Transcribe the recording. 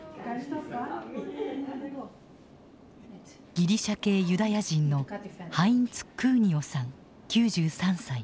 ギリシャ系ユダヤ人のハインツ・クーニオさん９３歳。